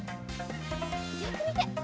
よくみて！